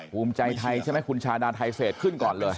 ภูมิใจไทยใช่ไหมคุณชาดาไทเศษขึ้นก่อนเลย